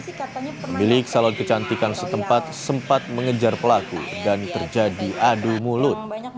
pemilik salon kecantikan setempat sempat mengejar pelaku dan terjadi adu mulut